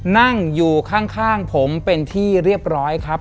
นั่งอยู่ข้างผมเป็นที่เรียบร้อยครับ